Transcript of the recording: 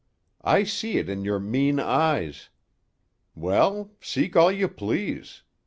I see it in your mean eyes. Well, seek all you please.